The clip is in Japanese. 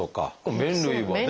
麺類はね。